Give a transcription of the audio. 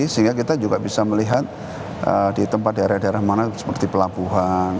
sehingga kita juga bisa melihat di tempat di area di area mana seperti pelabuhan